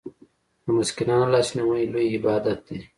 د مسکینانو لاسنیوی لوی عبادت دی.